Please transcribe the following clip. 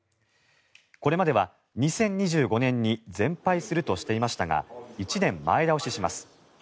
これまでは２０２５年に全廃するとしていましたが１年前倒しします。